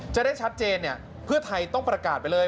จะได้ชัดเจนเนี่ยเพื่อไทยต้องประกาศไปเลย